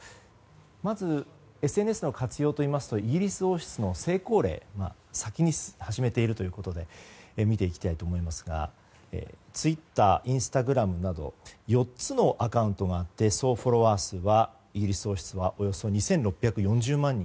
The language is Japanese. まず、ＳＮＳの活用といいますとイギリス王室の成功例先に始めているということで見ていきたいと思いますがツイッター、インスタグラムなど４つのアカウントで総フォロワー数がイギリス王室はおよそ２６４０万人。